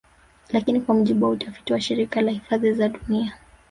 Lakini kwa mujibu wa utafiti wa Shirika la hifadhi za dunia